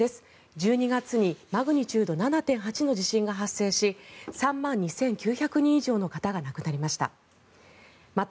１２月にマグニチュード７．８の地震が発生し３万２９００人以上の方が亡くなりました。